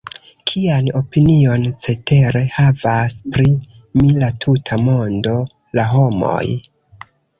Kian opinion cetere havas pri mi la tuta mondo, la homoj?